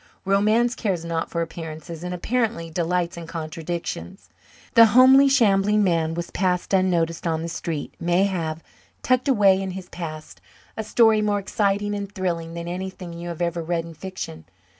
Romance cares not for appearances and apparently delights in contradictions. The homely shambling man you pass unnoticed on the street may have, tucked away in his past, a story more exciting and thrilling than anything you have ever read in fiction.